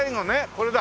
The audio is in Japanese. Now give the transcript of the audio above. これだ。